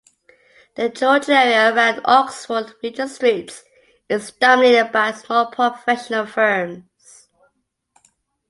The Georgian area around Oxford and Regent Streets is dominated by small professional firms.